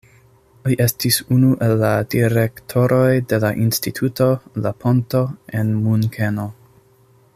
Li estis unu el la direktoroj de la Instituto La Ponto en Munkeno.